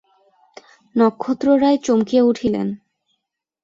নক্ষত্ররায় চমকিয়া উঠিলেন।